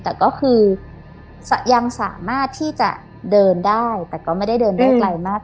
แต่ก็คือยังสามารถที่จะเดินได้แต่ก็ไม่ได้เดินได้ไกลมาก